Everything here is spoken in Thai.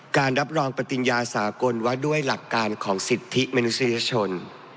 รับรองปฏิญญาสากลว่าด้วยหลักการของสิทธิมนุษยชน